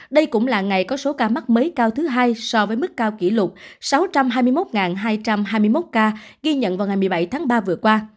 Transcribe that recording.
đây cũng là ngày có số ca mắc mới cao thứ hai so với mức cao kỷ lục sáu trăm hai mươi một hai trăm hai mươi một ca ghi nhận vào ngày một mươi bảy tháng ba vừa qua